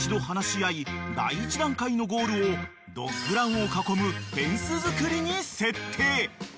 第一段階のゴールをドッグランを囲むフェンス作りに設定］